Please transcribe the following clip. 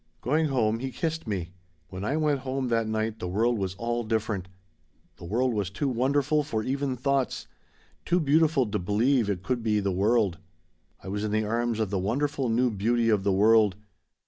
"Going home he kissed me "When I went home that night the world was all different. The world was too wonderful for even thoughts. Too beautiful to believe it could be the world. "I was in the arms of the wonderful new beauty of the world.